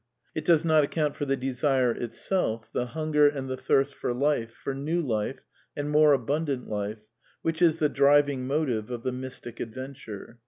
It does not ac count for the desire itself, the hunger and the thirst for Life, for New Life and more abundant Life, which is the driving motive of the mystic adventure.